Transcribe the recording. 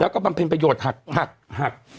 แล้วก็เป็นเป้ยโยชน์หัก